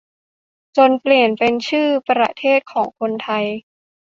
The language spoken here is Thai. จนเปลี่ยนเป็นชื่อประเทศของคนไทย